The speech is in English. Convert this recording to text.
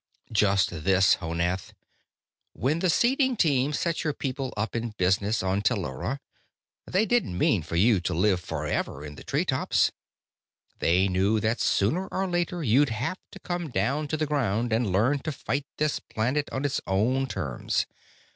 "Just this, Honath. When the seeding team set your people up in business on Tellura, they didn't mean for you to live forever in the treetops. They knew that, sooner or later, you'd have to come down to the ground and learn to fight this planet on its own terms.